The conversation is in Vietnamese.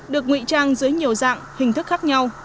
được ngụy trang dưới nhiều dạng hình thức khác nhau